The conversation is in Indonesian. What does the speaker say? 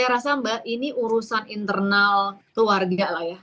saya rasa mbak ini urusan internal keluarga lah ya